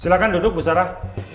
silahkan duduk bu sarah